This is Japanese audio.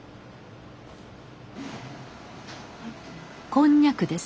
こんにゃくです。